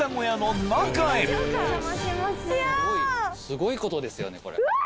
すごいことですよね。